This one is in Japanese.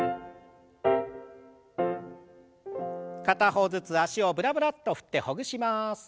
片方ずつ脚をブラブラッと振ってほぐします。